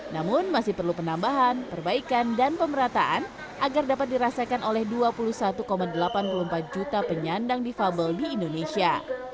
namun masih perlu penambahan perbaikan dan pemerataan agar dapat dirasakan oleh dua puluh satu delapan puluh empat juta penyandang difabel di indonesia